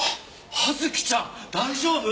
葉月ちゃん大丈夫？